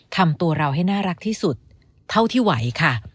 ทำตัวเราให้น่ารักที่สุดเท่าที่ไหวค่ะ